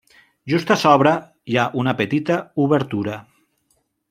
Just a sobre hi ha una petita obertura.